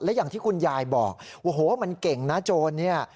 และอย่างที่คุณยายบอกโอ้โหมันเก่งนะโจรเนี่ย